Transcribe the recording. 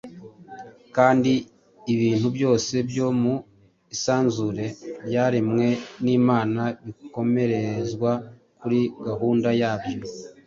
kandi ibintu byose byo mu isanzure ryaremwe n’Imana bikomerezwa kuri gahunda yabyo